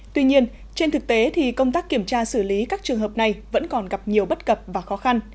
tuy nhiên trên thực tế thì công tác kiểm tra xử lý các trường hợp này vẫn còn gặp nhiều bất cập và khó khăn